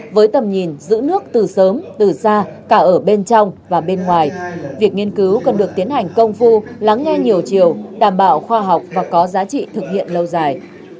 với tầm nhìn giữ nước từ sớm từ xa cả ở bên trong và bên ngoài việc nghiên cứu cần được tiến hành công phu lắng nghe nhiều chiều đảm bảo khoa học và có giá trị thực hiện lâu dài